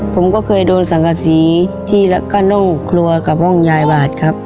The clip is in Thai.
ผมเคยโดนสังศักดิ์ศรีที่และก็ด้มครัวกับอ้องนายบาทครับ